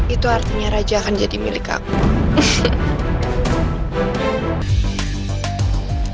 itu artinya raja akan jadi milik aku